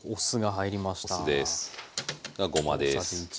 ごまです。